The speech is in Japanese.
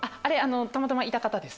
たまたまいた方です。